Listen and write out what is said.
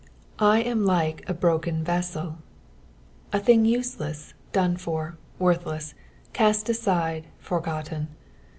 " I am Wee a broken Mteel," a thing useless, done for, worthless, cast aside, for gotten.